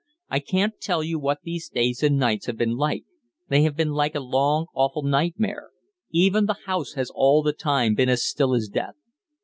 I can't tell you what these days and nights have been like they have been like a long, awful nightmare; even the house has all the time been as still as death.